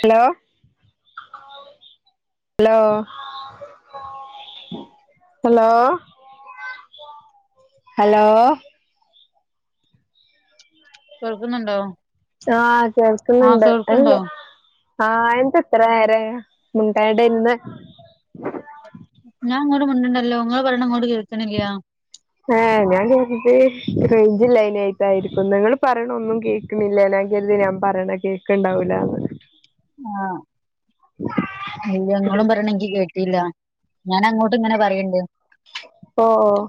Hello hello hello hello കേൾക്കുന്നുണ്ടോ ആഹ് ആഹ് കേൾക്കുന്നുണ്ട് കേൾക്കുണ്ടോ അല്ലേ ആ എന്താ ഇത്ര നേര മുണ്ടായ്ടെ ഇന്ന് ഞാൻങ്ങോട്ട് മുണ്ടുണ്ടല്ലോങ്ങള് പറഞ്ഞ ഇങ്ങോട്ട് കേൾ ഏഹ് ഞാൻ കർതി റൈജ് ലൈനാ ആയിട്ടായിരിക്കുംന്ന് നിങ്ങള് പറയണ ഒന്നും കേൾക്കുന്നില്ലനാ കരുത് ഞാൻ പറയണ കേ ഒക്കെ ഉണ്ടാവൂല അ ആഹ നങ്ങളും പറയണെങ്കി കേട്ടിില്ല ഞാൻ അങ്ങോട്ട് ഇങ്ങനെ പറയണ്ട് ഇപ്പോ ഓ ഓ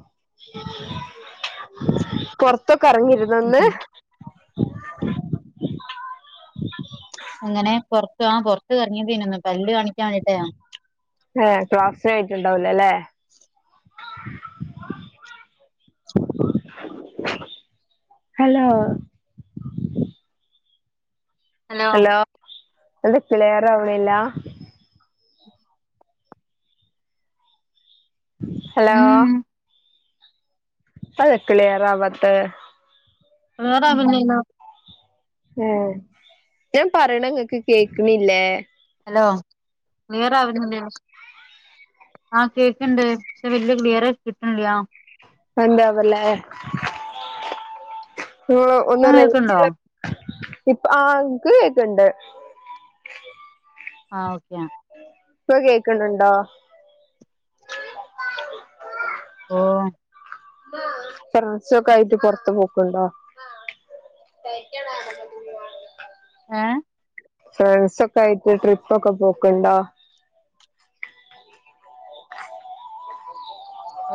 കൊറ ഇത്തൊക്കെ ഇറങ്ങിരുന്ന ഒന്ന് ഉം. അങ്ങനെ പറത്ത ആ പറത്ത് കറങ്ങിയത്ന്ന ഒന്ന് പല്ല് കാണ ഏ ക്ലാസ ആയിട്ടുണ്ടാവലോല്ലേ ഹലോ ഹലോ അത് പിളർ അവനില്ല ഹലോ ഉം അത്െ കക്ലിയർ ആവത്ത് അരാ പില്ല ഏ ഞാൻ പർണ ങ്ങക്ക് കേക്ക്ന്നില്ലേ ഹലോ ക്ലിയറാവില്ല ആഹ് കേക്കണ്ട് പക്ഷെ വല്യ ക്ലിയർ കിട്ടണില്ല എന്താവല്ലേ നിങ്ങള് ഒന്ന് ഇപ്പം കേൾക്ക്ണ്ടോ റേഞ്ച് ഇപ്പൊ ആക്ക് കേക്കണ്ട് ആ ഓക്കെയ ഇപ്പൊ കേക്കണ്ടോ ഓ ഫ്രാൻസ ഒക്കെ ആയിട്ട് പൊറത്ത പോക്കണ്ടോ തയ്ക്കണ ആഏ ഫ്രണ്ട്സ ഒക്കെ ആയിട്ട് ട്രിപ്പ ഒക്കെ പോക്കണ്ട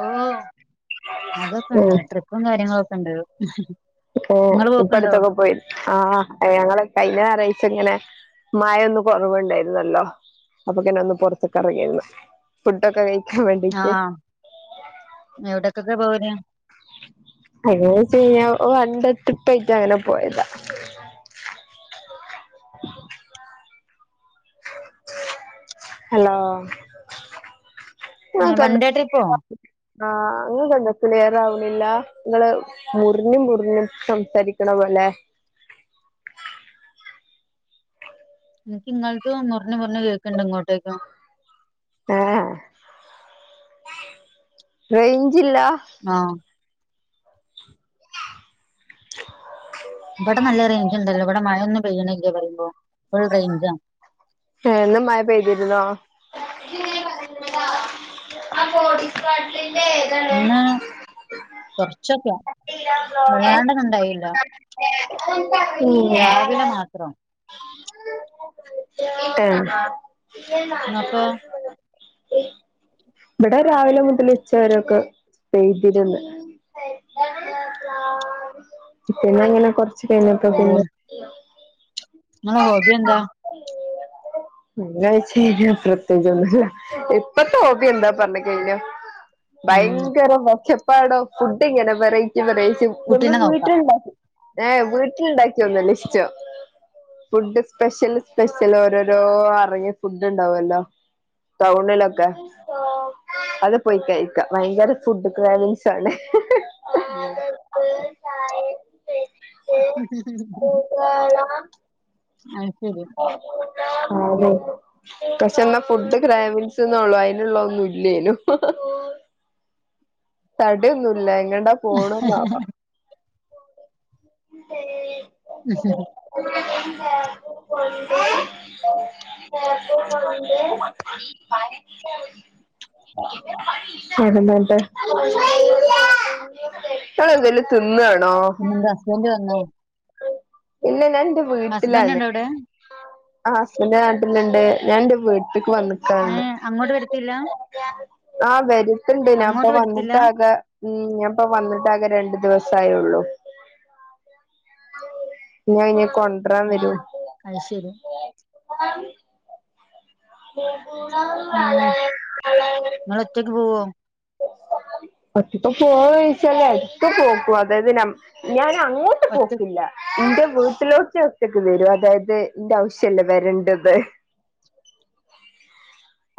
ഓ അതൊക്കെ ഇണ്ട് ട്രിപ്പും കാര്യങ്ങളൊക്കെ ഇണ്ട് ഉ ഇങ്ങള് പോക്ക്ണ്ടോ ഇപ്പടുത്തൊക്കെ പോയി ആഹ ഞങ്ങള് കഴിഞ്ഞ ായറാഴ്ച ഇങ്ങനെ മഴൊന്ന കൊറവുണ്ടായിരുന്നല്ലോ അപ്പൊങ്ങനെ ഒന്ന് പുൊറത്ത ക ഇറങ്ങിരുന്നു ഫുഡൊക്കെ കഴിക്കാൻ വേണ്ടിട്ട് ആഹ് എവിടക്കൊക്കെ പോവന ഓ രണ്ട് ട്രിപ്പയിട്ട് അങ്ങനെ പോയതാ ഉ ഹലോ വൺഡേ ട്രിപ്പോ ആഹ അങ്ങ് കണ്ടക്കലേറാവലില്ല നിങ്ങള് മുറിഞ്ഞും മുറിഞ്ഞും സംസാരിക്കണ പോലെ എനിക്ക് ഇങ്ങാലത്ത മുറിഞ്ഞ മുറിഞ്ഞഞ് കേക്കണ്ട് ഇങ്ങോട്ടേക്ക് ഏ ഹ് റൈഞ്ചില്ല.? ആഹ് ഇവിടെ നല്ല റേഞ്ച് ണ്ടല്ലോ ഇവിടെ മഴയൊന്നും പെയ്യണ്ല്ല്യ പറയ്മ്പോ ഫുൾ റേഞ്ച. ഏ ന്ന് മഴ പെയ്തിരുന്നോ.? ആ [unintelligible] പാട്ടിന്റെ എയ്താണ്ട്.? ഇന്ന് കൊറച്ചൊക്കെ [unintelligible] ഏ. വല്ലാണ്ടൊന്നും ഉണ്ടായില്ല മ് രാവിലെ മാത്രം ഏ [unintelligible] ഇങ്ങക്കോ [unintelligible] വടെ രാവിലെ മുതല് ഉച്ചവരൊക്കെ [unintelligible] പിന്നങ്ങനെ കൊറച്ച് കയിഞ്ഞപ്പൊ പിന്നെ ങ്ങളെ ഹോബി ന്താ. [unintelligible] പ്രത്യകിചൊന്നുല്ല ഇപ്പഴ്ത്തെ ഹോബി ന്താ പറഞ്ഞ് കയ്ഞ ഉം ഭയങ്കര ഒച്ചപ്പാടോ ഫുഡ് ഇങ്ങനെ വെറൈറ്റി വെറൈറ്റി നിന്ന് കുട്ടീനെ നോക്കാം വീട്ടിൽ ണ്ടാക്കി ഏ വീട്ട്ലുണ്ടാക്കിയ ഒന്നല ഇഷ്ടം. ഫുഡ് സ്പെഷ്യൽ സ്പെഷ്യല് ഓരോരോ അറങ്ങിയ ഫുഡ് ണ്ടാവല്ലോ. ‌ടൌണി ലൊക്കെ. അത് പോയ് കയിക്ക ഭയങ്കര ഫുഡ് ആഹ് [unintelligible] [inaudible] ഹ് ഹ് ഹ് ഐ ആ ന്നെ - പക്ഷെ ന്ന ഫുഡ്‌ ക്രാമിൻസ് ന്നുള്ളു അയ്നുള്ള ഒന്നും ഇല്ലേനു ഹ് ഹ് തടിയൊന്നുല്ല എങ്ങട്ടാ പോണേന്നാവോ. [inaudible] ഹ് ഹ് [inaudible] [inaudible] വേറെന്ത ന്ന്ട്ട് ങ്ങളെന്തേലും തിന്നാണോ പിന്നെന്താ ഹസ്ബൻറ് വന്നോ. ഇല്ല ഞാൻ ന്റെ ഹസ്ബൻഡ് വീട്ടിലാണ്. ഉണ്ടോ അവിടെ ആ ഹസ്ബന്റ് നാട്ടിൽ ണ്ട് ഞാൻ ന്റെ വീ ട്ട്ക്ക് വന്ന്ക്ക ഇന്ന് ഏഹ് അങ്ങോട്ട് വരത്തില്ല ആ വെര് ട്ട്ണ്ട് ഞാൻ പ്പൊ അങ്ങോട്ട് വരത്തില്ല വന്നിട്ടാകെ ഉം ഞാപ്പൊ വന്നിട്ടാകെ രണ്ടു ദിവസായുള്ളു. ഞ ഇനി കൊണ്ടരാൻ വരൂ ഏഹ് അത് ശരി ഏഹ് ഇങ്ങള് ഒറ്റക്ക് പോവോ [inaudible] പ്പം ഫോണ് ഒയ്ച്ചാല് ഒറ്റ പോക്കു പോകും അതായത് നമ്മ ഞാൻ അങ്ങോട്ട് ഒറ്റ പോക്കില്ല ഇന്റെ വീട്ടിലോക്കെ റ്റക് വരും അതായത് ന്റെ ആവശ്യല്ലേ വെരണ്ടത്.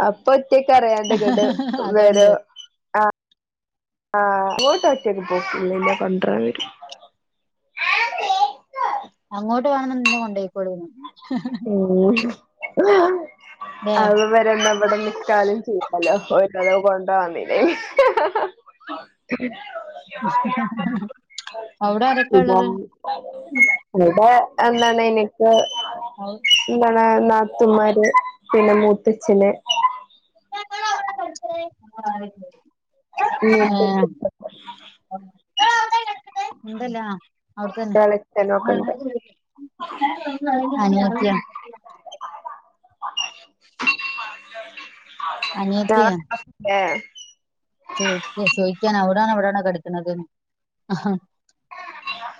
അപ്പൊ ഒറ്റക്ക്‌ അറിയാണ്ട് ങ്ങട്ട് അതുകൊണ്ട് വെരും ആ ആഹ ഇങ്ങോട്ട്റ്റക് പോക്കില്ല ഇല്ല കൊണ്ടൊരാൻ വെരും അങ്ങോട്ട് വേണംന്ന് ന്നെ കൊണ്ടയിക്കോളി ന്ന് ആ ല്ലേ അത് വരെന്നാ വടെ നിക്കാനും ചെ [unintelligible] [inaudible] ആരൊക്കെ ഇത ഉള്ളത് [unintelligible] ഇന് ക്ക് ഔ ആ നാത്തൂമാര് പിന്നെ മൂത്തച്ഛന് [inaudible] ആ മൂത്തച്ഛൻ മിണ്ടല്ലാ അവിടതന്നെ എളച്ചനും ഒക്കെ ഉണ്ട് അനിയത്തിയ [inaudible] ചോയ്ക്ക് ചോദിക്കാണ് അവിടാണോ ഇവിടാണോ കെടക്കണത്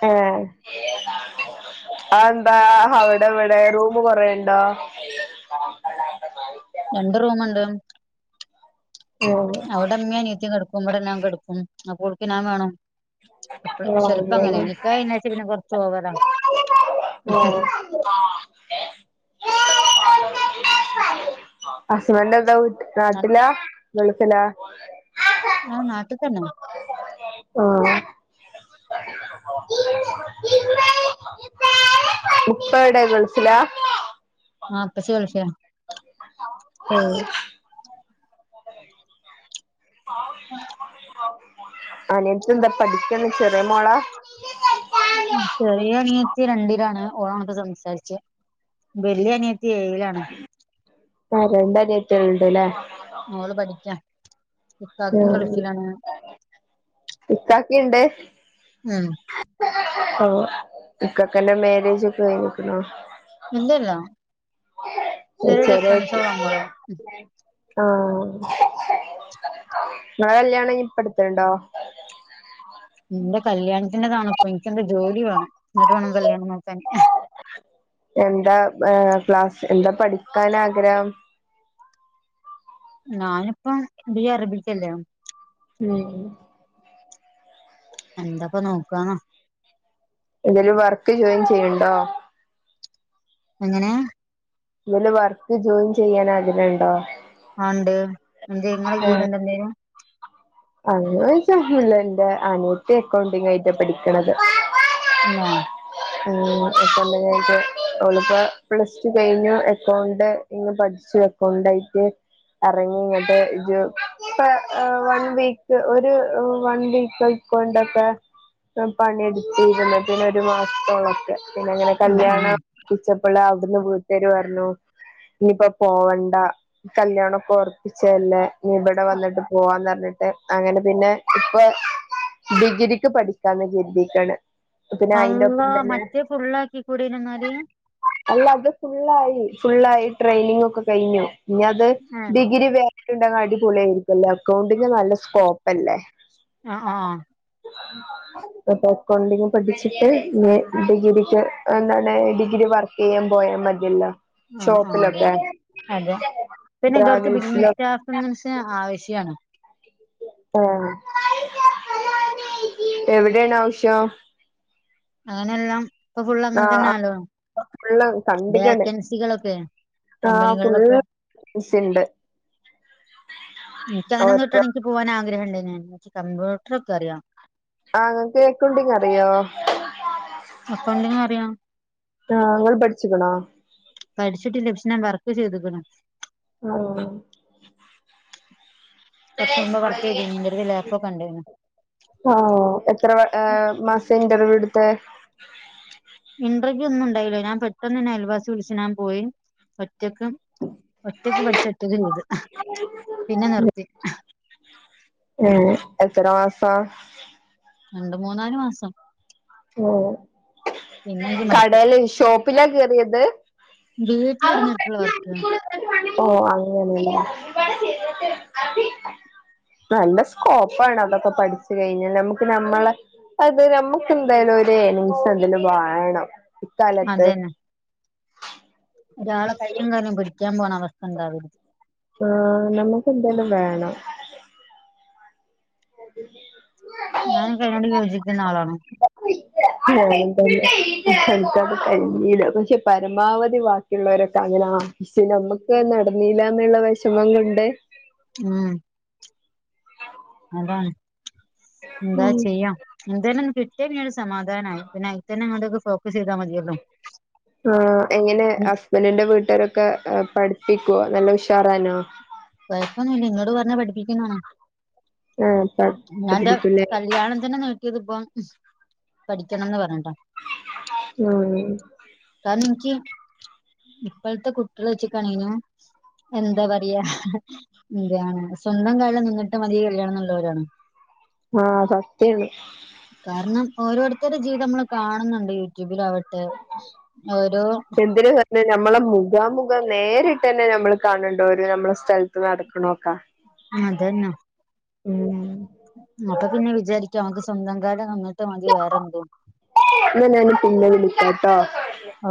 ഏ അതെന്താ അവിടെവിടെ റൂമ് കൊറെണ്ടോ [unintelligible] രണ്ട് റൂമുണ്ട് അവിടെ ഇമ്മയും അനിയത്തീം കെടക്കു ക്കും ഇവിടെ ഞാൻ കെടക്കും അപ്പൊ ഓൾക്ക് ഞാൻ വേണം ചെലപ്പം അങ്ങനെ നിക്കാഹ് കഴിഞ്ഞേന് പിന്നെ കൊറച്ച് ഓവറാ ഉം ഹസ്ബൻഡ് എവിടാ വീട്ടി നാട്ടിലാ ഗൾഫിലാ ആ നാട്ടിൽ തന്നെ ഓ ഉപ്പയെവിടെ ഗൾഫിലാ ആ ഉപ്പച്ചി ഗൾഫിലാ ഉം [inaudible] അനിയത്തി എന്താ പഠിക്കാണ് ചെറിയ മോളാ ചെറിയ അനിയത്തി രണ്ടിലാണ് ഓളാ വന്നിട്ട് സംസാരിച്ചെ വലിയ അനിയ ഏഴിലാണ് ആ രണ്ടരയറ്റോ ഉണ്ട് അല്ലേ മോള് പഠിക്കാ ആ ഇക്കാക്കും ഗൾഫിലാണ് ഇക്കാക്കയുണ്ട് ഉം ഓ ഇക്കാക്കെന്റെ മാരേജ് ഒക്കെ കഴിഞ്ഞിക്കുണോ എന്തല്ല ശരിയായിക്കും നമ്മള് ആ ഇങ്ങളെ കല്ല്യാണനി ഇപ്പടുത്തുണ്ടോ ഇന്റെ കല്ല്യാണ താണപ്പൊ എനിക്ക് എന്തോ ജോലി വേണം എന്നിട്ട് വേണം കല്യാണം നോക്കാന് ഏ ക്ലാസ് എന്താ പഠിക്കാൻ ആഗ്രഹം ഞാനിപ്പം ബി എ അറബിക്കല്ലേ ഉം എന്താപ്പ നോക്കാണോ എന്തേലും വർക്ക് ജോയിൻ ചെയ്യണ്ടോ എങ്ങനെ എന്തേലും വർക്ക് ജോയിൻ ചെയ്യാ ആഗ്രഹമുണ്ടോ ആ ഉണ്ട് എന്ത ഇങ്ങളെ കീഴിലുണ്ടോ എന്തേലും അങ്ങനോയിച്ച ഒന്നൂല്ല എൻറെ അനിയത്തി അക്കൗണ്ടിങ് ആയിട്ട് പഠിക്കണത് ആ ആ [unintelligible] അവളിപ്പ പ്ലസ് ടു കഴിഞ്ഞു അക്കൗണ്ടിങ് പഠിച്ചു ക്ക് അക്കൗണ്ടായിട്ട് ഇറങ്ങിയത് ജോ ഇപ്പൊ വൺ വീക്ക് ഒരു വൺ വീക്ക് അക്കൗണ്ടക്കെ ഏ പണിയെടുത്തിരുന്നതിനു ഒരു മാസത്തൊളൊക്കെ പിന്നെ ഇങ്ങനെ ആഹ് ആഹ് കല്ല്യാണം പിച്- പ്പോള് അവിടുന്ന് വീട്ടാര് പറഞ്ഞു ഇനിയിപ്പോ പോവണ്ട കല്യാണൊക്കെ ഉറപ്പിച്ചയല്ലേ ഇനി ഇവിടെ വന്നിട്ട് പോവാന്ന് പറഞ് അത് അങ്ങനെ പിന്നെ ഇപ്പൊ ഡിഗ്രിക്ക് പഠിക്കാന്ന് ചിന്തിക്കണ് അപ്പോ പിന്നെ അയിന്റെ അള്ളാ തന്നെ മറ്റേ ഫുള്ളാക്കി കൂടിരുന്നോ എന്നാല് അല്ല അത് ഫുള്ളായി ഫുള്ളായി ട്രെയിനിങ് ഒക്കെ കഴിഞ്ഞു ഇനി അത് ആഹ് ഡിഗ്രി വേ- ഉണ്ടേ അടിപൊളി ആയിരിക്കില്ലേ അക്കൗണ്ടിങ്ങ് നല്ല സ്കോപ്പ് അല്ലേ ആ ആഹ് അപ്പ അക്കൗണ്ടിങ് പഠിച്ചിട്ട് ഡിഗ്രിക്ക് എന്താണ് ഡിഗ്രി വർക്ക് ചെയ്യാൻ പോയാ മതിയല്ലോ ആഹ് ആഹ് അതെ ഷോപ്പിലൊക്കെ അതെ പിന്നെ ഇതോടുത്തെ ബില്ലിംഗ് ട്രാവൽസിലൊ സ്റ്റാഫ്ന്ന് വച്ചാ ആവശ്യമാണ് ആ എവിടെയാണ് ആവശ്യം അങ്ങനെയെല്ലാ ഇപ്പൊ ഫുള്ള് ആഹ് അങ്ങെതന്നെയല്ലോ ഫുള്ള് കണ്ടിക്കണ് വോക്കൻസികളൊക്കെ- ആഹ് ഫുള്ള് വേക്കൻസിയുണ്ട്- എനിക്കങ്ങനെ ഒന്നു കിട്ടുകാണെങ്കിൽ എനിക്ക് പോവാൻ ആഗ്രഹം ഉണ്ടേെന് കമ്പ്യൂട്ടർ ഒക്കെ അറിയാം- ആ നിങ്ങക്ക് അകൗണ്ടിങ്ങ് അറിയോ- അക്കൗണ്ടിങ് അറിയാം ആഹ് നിങ്ങോൾ പഠിച്ചിക്കണോ? പഠിച്ചിട്ടില്ല പക്ഷേ ഞാൻ വർക്ക് ചെയ്തുക്ക്ണ്- ആഹ് ആഹ് - കുറച്ച് മുമ്പ് വർക്ക് ചെയ്തിനി എന്റെ അടുത് ലാപ്പൊക്കെ ഉണ്ടായിനു- വാ എത്ര വ ഏഹ് മാസം ഇന്റർവ്യൂ എടുത്തേ? ഇന്റർവ്യൂ ഒന്നും ഉണ്ടായില്ലോ ഞാൻ പെട്ടെന്നന്നെ അയൽവാസി വിളിച്ച് ഞാൻ പോയി. [unintelligible] ഒറ്റക്ക് ഒറ്റക്ക് പഠിച്ച ഒറ്റക്ക് ചെയ്ത് പിന്നെ നിർത്തി. ഏഹ് എത്ര മാസൊ? രണ്ട് മൂന്നാല് മാസം. ഓഹ് പിന്നെ എനിക്ക് മടുത്ത് കടേല് ഷോപ്പിലാ കേറിയത്? വീട്ടിലിരുന്നിട്ടുള്ള വർക്ക് ഓഹ് അങ്ങനെല്ലേ നല്ല സ്കോപ്പ് ആണ് അതൊക്കെ പഠിച്ചു കഴിഞ്ഞാ. നമുക്ക് നമ്മളെ അത് നമ്മു ക്കെന്തായാലോല് ഒരു ഏണിങ്ങ്സ് എന്തേലും വേണം ഇക്കാലത്ത്. അതന്നെ ഒരാളെ കയ്യും കാലും പിടിക്കാൻ പോണ അവസ്ഥണ്ടാവര്ത്. ആഹ് നമുക്ക് എന്തെലും വേണം. ഞാൻ ഒക്കെ അയ്നോട് യോജിക്കുന്ന ആളാണ്. എനിക്കങ്ങനെ കഴിഞ്ഞില്ല പക്ഷെ പരമാവധി ബാക്കിയുള്ളവരൊക്കെ അങ്ങനാ ഷേ നമ്മക്കേ നടന്നില്ലാന്ന്ള്ള വെഷമം കൊണ്ട് ആഹ് ആതാണ് എന്താ ചെയ്യാം എന്തേലും ഒന്ന് കിട്ടയാ നെ സമാധാനായി പിന്ന അയിതന്നെ അങ്ങട്ടേക് ആഹ് എങ്ങനെ ഹസ്ബന്റിന്റെ വീട്ടാരൊക്കെ എഹ് പഠി പ്പിക്കോ നല്ല ഉഷാറായ്നോ? കുഴപ്പൊന്നുല്ല ഇന്നോട് പർഞ്ഞെ പഠിപ്പിക്കുന്നാണ്. ആഹ് ഞാൻ ന്റെ പഠിപ്പിക്കൂല്ലേ കല്യാണം തന്നെ നീട്ടിയത് പ്പം പഠിക്കണംന്ന് പറഞ്ഞിട്ടാ ഉം എനിക്ക് ഇപ്പോഴത്തെ കുട്ടികൾ വെച്ചിക്കാണെലും എന്താ പറയാ ഇതാണ് സ്വന്തം കാലിൽ നിന്നിട്ട് മതി കല്യാണം എന്നുള്ളവരാണ് ആ സത്യാണ് കാരണം ഓരോരുത്തരുടെ ജീവിതം നമ്മൾ കാണുന്നുണ്ട് യൂടൂ ബിലാവട്ടെ ഓരോ പിന്ന നമ്മളെ മുഖാമുഖം നേരിട്ട് തന്നെ ഞമ്മള് കാണണ്ടോ ഒരു നമ്മളെ സ്ഥലത്ത് നടക്കണൊക്കെ അതെന്നെ ഉം അപ്പൊ പിന്നെ വിചാരിക്കാം മ്മക്ക് സ്വന്തം കാലില് നിന്നിട്ട് മതി വേറെന്തും എന്ന ഞാൻ പിന്നെ വിളിക്കാട്ടോ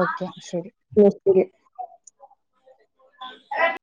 ഓക്കെ ശരി പേഴ്സ്ണൽ അഹ്